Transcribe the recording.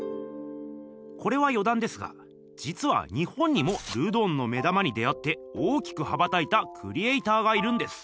これはよだんですがじつは日本にもルドンの目玉に出会って大きく羽ばたいたクリエーターがいるんです。